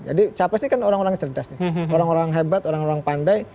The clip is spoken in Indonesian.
jadi capres ini kan orang orang cerdas orang orang hebat orang orang pandai